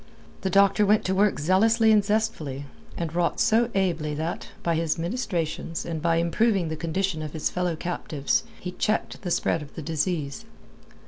The doctor went to work zealously and zestfully, and wrought so ably that, by his ministrations and by improving the condition of his fellow captives, he checked the spread of the disease.